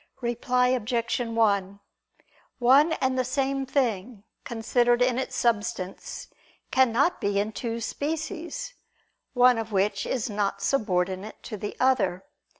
Reply Obj. 1: One and the same thing, considered in its substance, cannot be in two species, one of which is not subordinate to the other.